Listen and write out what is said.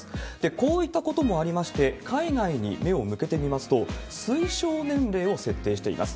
こういったこともありまして、海外に目を向けてみますと、推奨年齢を設定しています。